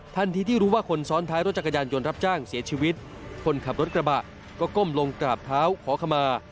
ที่รู้ว่าคนซ้อนท้ายรถจักรยานยนต์รับจ้างเสียชีวิตคนขับรถกระบะก็ก้มลงกราบเท้าขอขมา